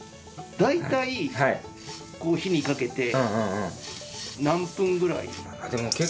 大体火にかけて何分ぐらい？